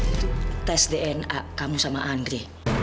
itu tes dna kamu sama andre